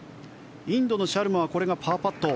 インドのシャルマはこれがパーパット。